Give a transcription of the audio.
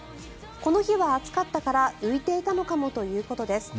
この日は暑かったから浮いていたのかもということです。